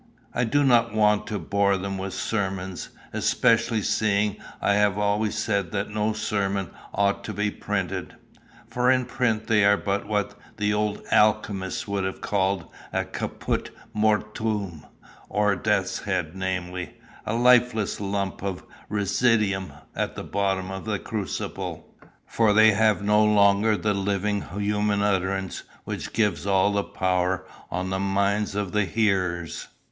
I do not want to bore them with sermons, especially seeing I have always said that no sermons ought to be printed; for in print they are but what the old alchymists would have called a caput mortuum, or death's head, namely, a lifeless lump of residuum at the bottom of the crucible; for they have no longer the living human utterance which gives all the power on the minds of the hearers.